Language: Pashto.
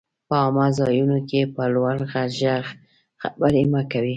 په عامه ځايونو کي په لوړ ږغ خبري مه کوئ!